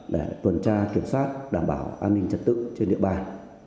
để tuần tra kiểm soát đảm bảo an ninh trật tự trên địa bàn